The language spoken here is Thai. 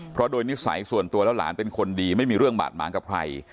เพราะโดยนิสัยส่วนตัวแล้วหลานเป็นคนดีไม่มีเรื่องบาดหมางกับใคร